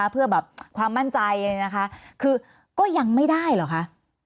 เพื่อแบบความมั่นใจนะคะคือก็ยังไม่ได้เหรอคะ